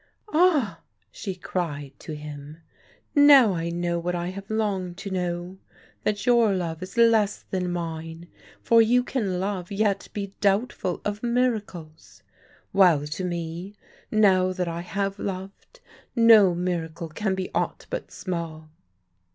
"Ah!" she cried to him. "Now I know what I have longed to know, that your love is less than mine, for you can love yet be doubtful of miracles; while to me, now that I have loved, no miracle can be aught but small."